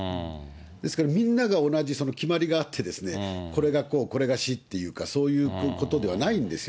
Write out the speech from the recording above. ですから、みんなが同じ決まりがあってですね、これが公、これが私っていうか、そういうことではないんですよ。